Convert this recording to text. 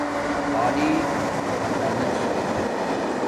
تعلیم خزانہ چھی